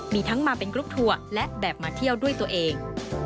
มีทั้งมาเป็นกรุ๊ปทัวร์และแบบมาเที่ยวด้วยตัวเอง